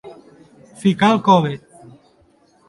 Ficar al cove.